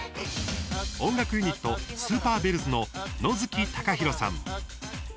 音楽ユニット・スーパーベルズの野月貴弘さん。